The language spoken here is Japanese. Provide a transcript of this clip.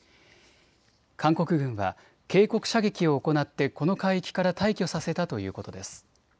韓国軍は警告射撃を行ってこの海域から退去させたということです。